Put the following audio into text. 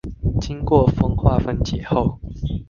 經過風化分解後